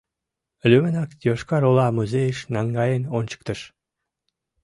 Лӱмынак Йошкар-Ола музейыш наҥгаен ончыктыш.